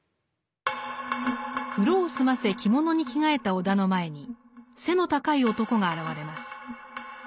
風呂を済ませ着物に着替えた尾田の前に背の高い男が現れます。